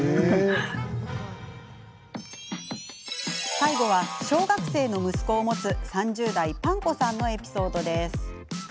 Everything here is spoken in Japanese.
最後は小学生の息子を持つ３０代ぱんこさんのエピソードです。